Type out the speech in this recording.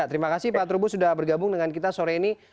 terima kasih pak trubus sudah bergabung dengan kita sore ini